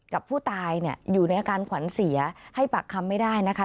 กับผู้ตายเนี่ยอยู่ในอาการขวัญเสียให้ปากคำไม่ได้นะคะ